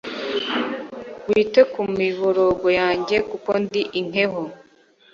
wite ku miborogo yanjye, kuko ndi inkeho